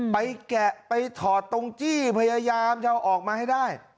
แกะไปถอดตรงจี้พยายามจะเอาออกมาให้ได้